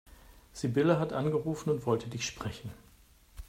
Sibylle hat angerufen und wollte dich sprechen.